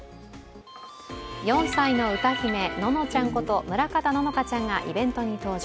４歳の歌姫、ののちゃんこと村方乃々佳ちゃんがイベントに登場。